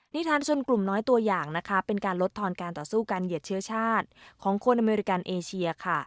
นิทานชนกลุ่มน้อยตัวอย่างนะคะเป็นการลดทอนการต่อสู้การเหยียดเชื้อชาติของคนอเมริกันเอเชียค่ะ